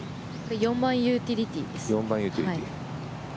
４番ユーティリティーです。